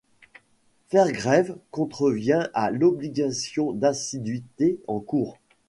Faire grève contrevient à l'obligation d'assiduité en cours.